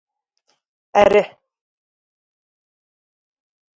Erê